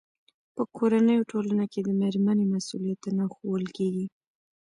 په کورنۍ او ټولنه کې د مېرمنې مسؤلیتونه ښوول کېږي.